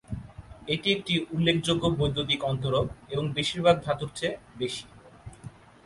এটি একটি উল্লেখযোগ্য বৈদ্যুতিক অন্তরক এবং বেশিরভাগ ধাতুর চেয়ে বেশি।